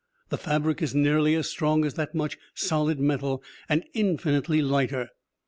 The fabric is nearly as strong as that much solid metal, and infinitely lighter.